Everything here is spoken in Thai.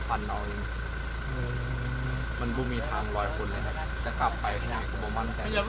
มันไม่มีทางไว้คนนะครับจะ